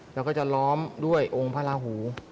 แล้วก็จะล้อมด้วยองค์พระราหู